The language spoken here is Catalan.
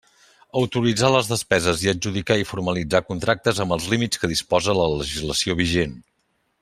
Autoritzar les despeses i adjudicar i formalitzar contractes amb els límits que disposa la legislació vigent.